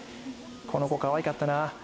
この子、かわいかったな。